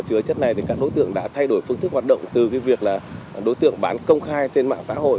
các đối tượng đã thay đổi phương thức hoạt động từ việc bán công khai trên mạng xã hội